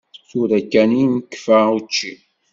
Tura kan i nekfa učči.